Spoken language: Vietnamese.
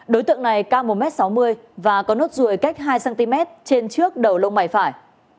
đối tượng này cao một m sáu mươi và có nốt ruồi cách hai cm trên trước đầu lông mày phải